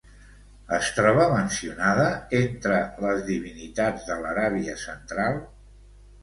Es troba mencionada entre les divinitats de l'Aràbia central?